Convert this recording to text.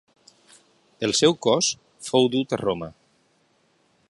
El seu cos fou dut a Roma.